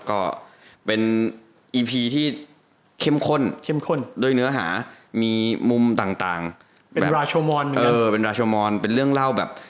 ก็เป็นอีพีที่เข้มข้นเข้มข้นโดยเนื้อหามีมุมต่างต่างเป็นเป็นเป็นเรื่องเล่าแบบ